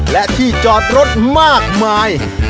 และที่จอดรถมากมาย